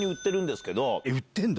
売ってんだ？